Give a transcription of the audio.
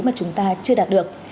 mà chúng ta chưa đạt được